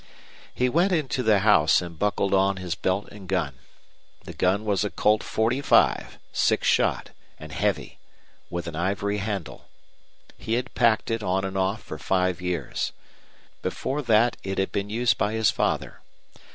He went into the house and buckled on his belt and gun. The gun was a Colt.45, six shot, and heavy, with an ivory handle. He had packed it, on and off, for five years. Before that it had been used by his father.